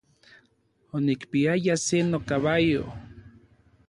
Onikpiaya se nokabayo.